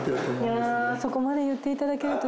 そこまで言っていただけると。